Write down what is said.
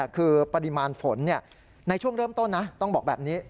คือปริมาณฝนในช่วงเริ่มต้นนะต้องบอกแบบนี้